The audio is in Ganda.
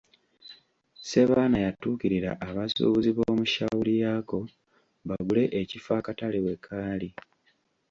Ssebaana yatuukirira abasuubuzi b’omu Shauriyako bagule ekifo akatale we kaali.